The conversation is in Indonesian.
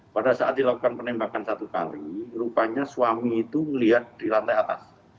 pada saat dilakukan penembakan satu kali rupanya suami itu melihat di lantai atas